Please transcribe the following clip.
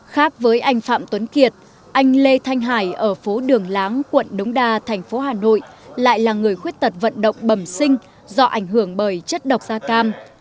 khác với anh phạm tuấn kiệt anh lê thanh hải ở phố đường láng quận đống đa thành phố hà nội lại là người khuyết tật vận động bẩm sinh do ảnh hưởng bởi chất độc da cam